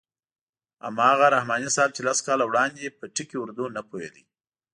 هماغه رحماني صاحب چې لس کاله وړاندې په ټکي اردو نه پوهېده.